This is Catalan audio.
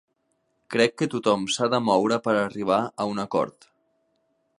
Crec que tothom s’ha de moure per arribar a un acord.